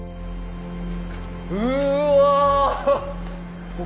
うわ！